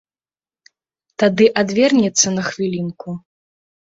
Тады адвернецца на хвілінку.